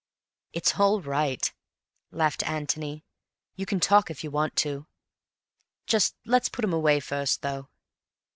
"It's all right," laughed Antony. "You can talk if you want to. Just let's put 'em away first, though."